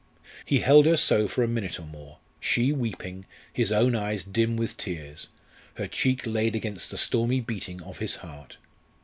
He held her so for a minute or more, she weeping, his own eyes dim with tears, her cheek laid against the stormy beating of his heart.